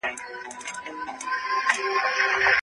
موږ باید ښه میراث پرېږدو.